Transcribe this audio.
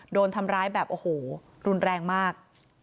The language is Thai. โดนทำร้ายแบบโอ้โหรุนแรงมาก